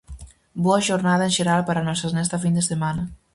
Boa xornada en xeral para nosas nesta fin de semana.